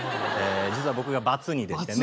実は僕がバツ２でしてね。